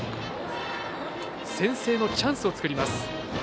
先制のチャンスを作ります。